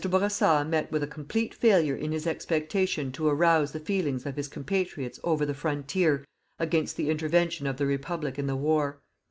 Bourassa met with a complete failure in his expectation to arouse the feelings of his compatriots over the frontier against the intervention of the Republic in the war.